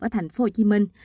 ở thành phố hồ chí minh